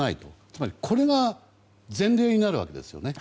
つまり、これが前例になるわけですよね。